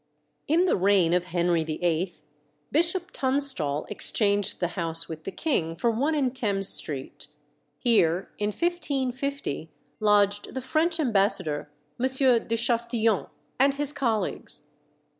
In the reign of Henry VIII. Bishop Tunstall exchanged the house with the king for one in Thames Street. Here, in 1550, lodged the French ambassador, M. de Chastillon, and his colleagues.